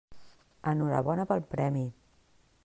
Enhorabona pel premi.